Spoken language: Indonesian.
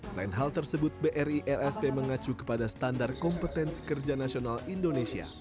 selain hal tersebut bri lsp mengacu kepada standar kompetensi kerja nasional indonesia